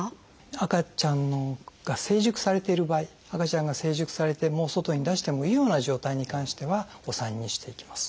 赤ちゃんが成熟されている場合赤ちゃんが成熟されてもう外に出してもいいような状態に関してはお産にしていきます。